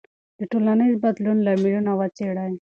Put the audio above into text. د ټولنیز بدلون لاملونه وڅېړئ.